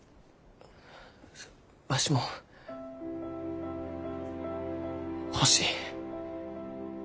わしも欲しい。